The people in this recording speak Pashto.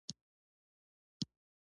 رمې یې څرولې دي.